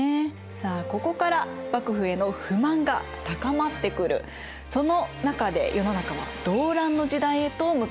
さあここから幕府への不満が高まってくるその中で世の中は動乱の時代へと向かっていきます。